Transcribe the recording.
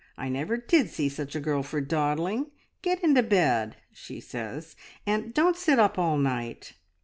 I never did see such a girl for dawdling. Get into bed,' she says, `and don't sit up all night.'